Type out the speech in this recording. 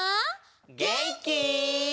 げんき？